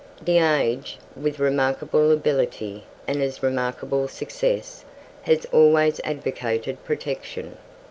"The Age", with remarkable ability and as remarkable success, has always advocated Protection.